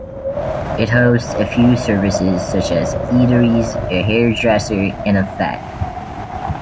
It hosts a few services such as eateries, a hairdresser and a vet.